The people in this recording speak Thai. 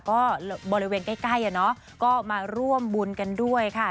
ก็บริเวณใกล้ก็มาร่วมบุญกันด้วยค่ะ